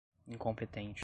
incompetente